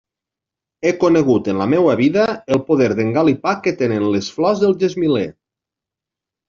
He conegut en la meua vida el poder d'engalipar que tenen les flors del gesmiler.